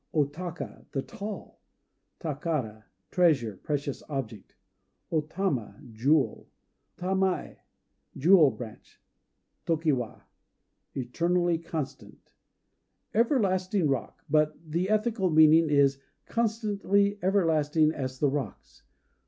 O Taka "The Tall." Takara "Treasure," precious object. O Tama "Jewel." Tamaë "Jewel branch." Tokiwa "Eternally Constant." Lit., "Everlasting Rock," but the ethical meaning is "Constancy everlasting as the Rocks."